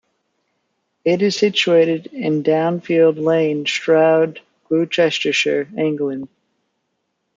It is situated in Downfield Lane, Stroud, Gloucestershire, England.